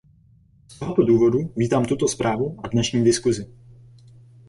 Z tohoto důvodu vítám tuto zprávu a dnešní diskusi.